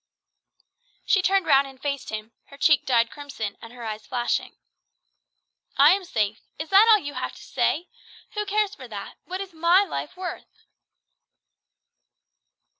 She turned round and faced him her cheek dyed crimson, and her eyes flashing, "I am safe! Is that all you have to say? Who cares for that? What is my life worth?"